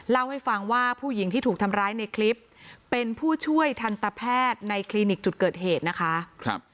เล่าให้ฟังว่าผู้หญิงที่ถูกทำร้ายในคลิปเป็นผู้ช่วยทันตแพทย์ในคลินิกจุดเกิดเหตุนะคะ